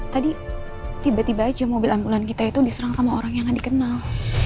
tadi tiba tiba aja mobil ambulan kita itu diserang sama orang yang gak dikenal